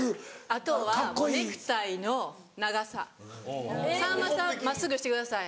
あとはネクタイの長ささんまさん真っすぐしてください。